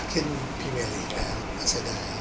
ขึ้นพรีเมอร์ลีกนะครับอาจจะได้